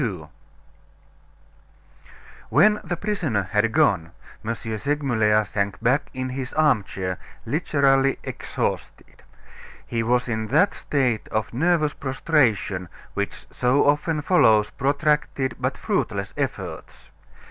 XIII When the prisoner had gone, M. Segmuller sank back in his armchair, literally exhausted. He was in that state of nervous prostration which so often follows protracted but fruitless efforts.